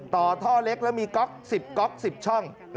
ต่อท่อเล็กแล้วมีก๊อก๑๐ก๊อก๑๐ช่อง